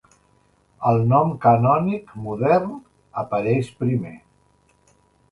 El nom canònic modern apareix primer.